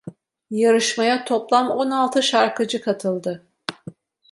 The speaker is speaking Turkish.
Yarışmaya toplam on altı şarkıcı katıldı.